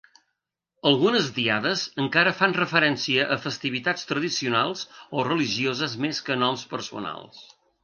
Algunes diades encara fan referència a festivitats tradicionals o religioses més que a noms personals.